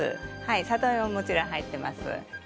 里芋ももちろん入っています。